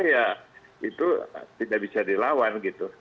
ya itu tidak bisa dilawan gitu